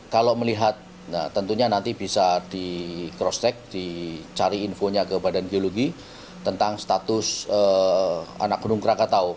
kalau melihat tentunya nanti bisa di cross check dicari infonya ke badan geologi tentang status anak gunung krakatau